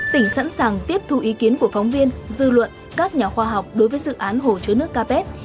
tỉnh sẵn sàng tiếp thu ý kiến của phóng viên dư luận các nhà khoa học đối với dự án hồ chứa nước capet